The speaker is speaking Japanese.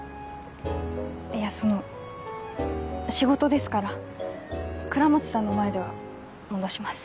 いやその仕事ですから倉持さんの前では戻します。